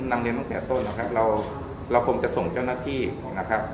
อันนี้นะครับเอาผมจะส่งเจ้าหน้าที่นะครับ